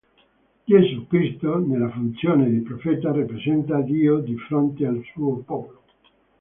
Gesù Cristo, nella funzione di profeta, rappresenta Dio di fronte al Suo popolo.